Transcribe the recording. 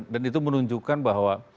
dan itu menunjukkan bahwa